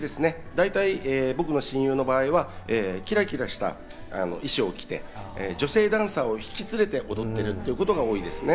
大体、僕の親友の場合はキラキラした衣装を着て、女性ダンサーを引き連れて踊っているということが多いですね。